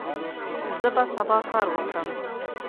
زه به سبا کار وکړم.